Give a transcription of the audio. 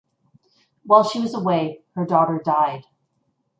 While she was away her daughter died.